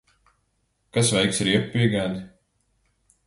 Kas veiks riepu piegādi?